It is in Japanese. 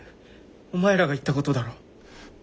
お前らが言ったことだろう。